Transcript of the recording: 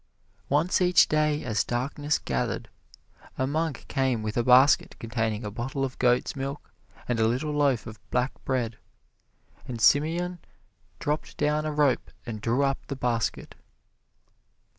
Once each day, as darkness gathered, a monk came with a basket containing a bottle of goat's milk and a little loaf of black bread, and Simeon dropped down a rope and drew up the basket.